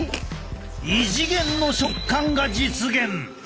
異次元の食感が実現！